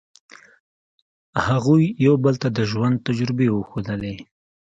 هغوی یو بل ته د ژوند تجربې وښودلې.